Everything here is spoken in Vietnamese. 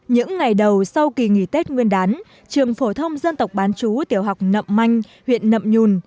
những ngày đầu sau kỳ nghỉ tết nguyên đán trường phổ thông dân tộc bán chú tiểu học nậm manh huyện nậm nhùn